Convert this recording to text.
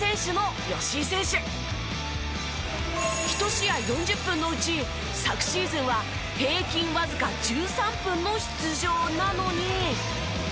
１試合４０分のうち昨シーズンは平均わずか１３分の出場なのに。